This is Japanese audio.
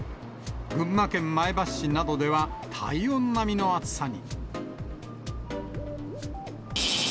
群馬県前橋市などでは、体温並みの暑さに。